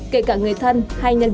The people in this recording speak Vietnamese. kể cả người thân hay nhân viên ngân hàng